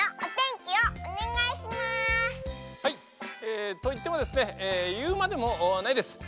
えといってもですねいうまでもないです。